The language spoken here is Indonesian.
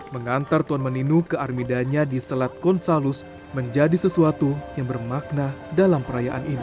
mengantar tuan meninu ke armidanya di selat konsalus menjadi sesuatu yang bermakna dalam perayaan ini